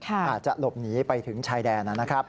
อาจจะหลบหนีไปถึงชายแดนนะครับ